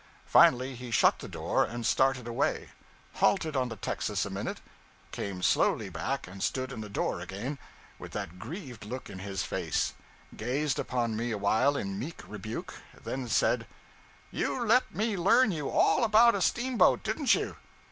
Finally he shut the door, and started away; halted on the texas a minute; came slowly back and stood in the door again, with that grieved look in his face; gazed upon me awhile in meek rebuke, then said 'You let me learn you all about a steamboat, didn't you?'